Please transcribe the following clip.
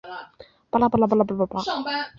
出生于江苏南京。